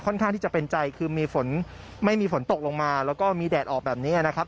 ข้างที่จะเป็นใจคือมีฝนไม่มีฝนตกลงมาแล้วก็มีแดดออกแบบนี้นะครับ